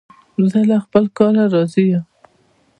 زه له خپل کار راضي یم.